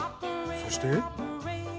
そして。